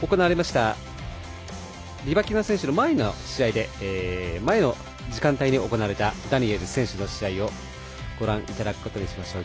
リバキナ選手の試合の前の時間帯に行われたダニエル選手の試合をご覧いただくことにしましょう。